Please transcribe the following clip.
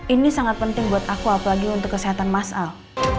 ini sangat penting buat aku apalagi untuk kesehatan mas al